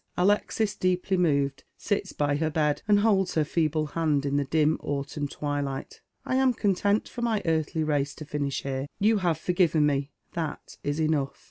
Alexis, deeply moved, sits by her bed, and holds her feeble hand in the dim autumn twilight. " I am content for my earthly race to finish here. You have forgiven me. That is enough."